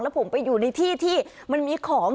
ผมไปอยู่ในที่ที่มันมีของ